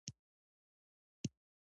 او د لور نوم يې بندۍ وۀ